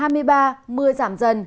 mưa giảm dần